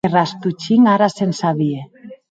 E Rastopchin ara se’n sabie.